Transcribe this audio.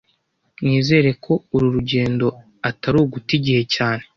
Nizere ko uru rugendo atari uguta igihe cyane